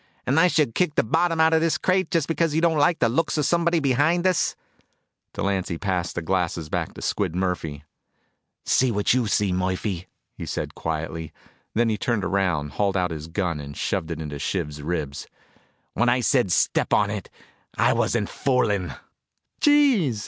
"And I should kick the bottom out of dis crate just because you don't like the looks of somebody behind us!" Delancy passed the glasses back to Squid Murphy. "See what you see, Murphy," he said quietly. Then he turned around, hauled out his gun, and shoved it into Shiv's ribs. "When I said step on it, I wasn't fooling." "Gees!"